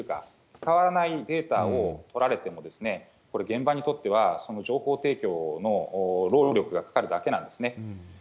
使わないデータを取られても、これ、現場にとっては情報提供の労力がかかるだけなんですね。